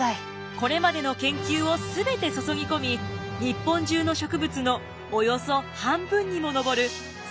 これまでの研究を全て注ぎ込み日本中の植物のおよそ半分にも上る３，２０６種類を掲載。